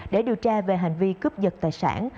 để điều tra về hành vi cướp giật tài sản